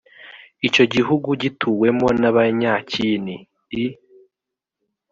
icyo gihugu gituwemo n abanyakini i